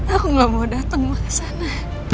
aku gak mau dateng ke sana